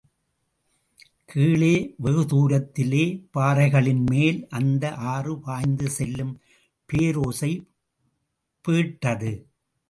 கீழே வெகுதூரத்திலே, பாறைகளின்மேல் அந்த ஆறு பாய்ந்து செல்லும் பேரோசை பேட்டது.